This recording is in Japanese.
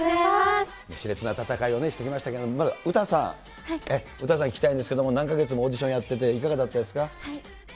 しれつな戦いをしてきましたけど、まずウタさん、ウタさん、聞きたいんですけど、何か月もオーディションやってて、いかがだったですか？